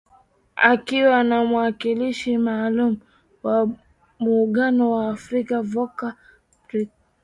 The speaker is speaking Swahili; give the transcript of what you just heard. Akiwa na mwakilishi maalum wa Muungano wa Afrika, Volker Perthes.